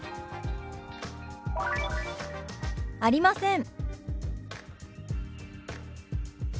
「ありません」。